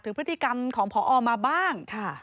พฤติกรรมของพอมาบ้าง